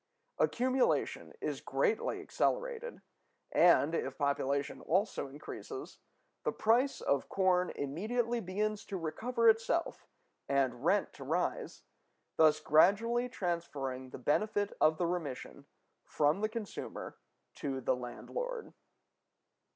Accumulation is greatly accelerated, and, if population also increases, the price of corn immediately begins to recover itself and rent to rise, thus gradually transferring the benefit of the remission from the consumer to the landlord.